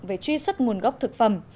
về truy xuất nguồn gốc thực phẩm